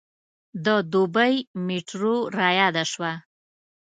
د دوبۍ میټرو رایاده شوه.